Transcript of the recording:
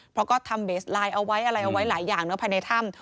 เพราะก็ทำเบสไลน์เอาไว้อะไรเอาไว้หลายอย่างภายในถ้ำ